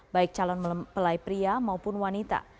baik calon mempelai pria maupun wanita